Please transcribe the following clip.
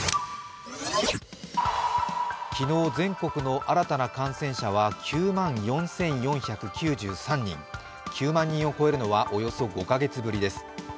昨日全国の新たな感染者は９万４４９３人、９万人を超えるのは、およそ５カ月ぶりです。